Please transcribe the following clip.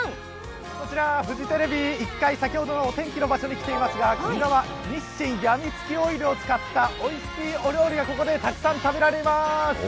こちらフジテレビ１階のお天気の場所に来ていますがこちらは日清やみつきオイルを使ったおいしいお料理がここでたくさん食べられます。